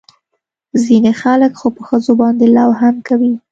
ځينې خلق خو په ښځو باندې لو هم کوي.